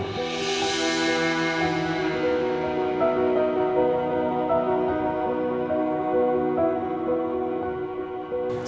padahal perang badannya